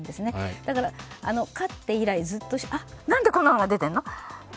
だから、飼って以来、なんでこんなのが出ているの？